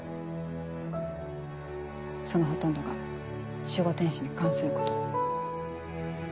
そのほとんどが守護天使に関すること。